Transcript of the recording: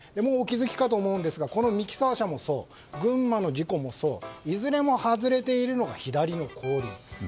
お気づきかと思うんですがこのミキサー車もそう群馬の事故もそういずれも外れているのが左の後輪。